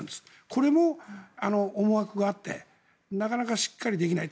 これも思惑があってなかなかしっかりできない。